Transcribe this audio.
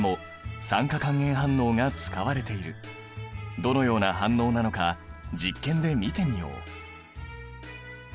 どのような反応なのか実験で見てみよう。